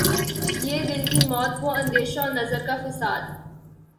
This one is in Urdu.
یہ دل کی موت وہ اندیشہ و نظر کا فساد